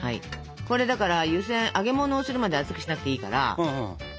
これだから湯せん揚げものをするまで熱くしなくていいから。